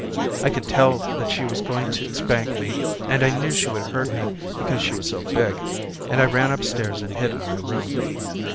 I could tell that she was going to spank me and I knew she would hurt me because she was so big, and I ran upstairs and hid in my room.